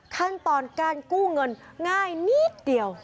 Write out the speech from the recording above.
ขั้นตอนการกู้เงินง่ายนิดเดียว